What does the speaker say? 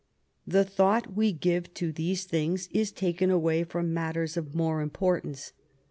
The thought we give to these things is taken away from matters of more importance.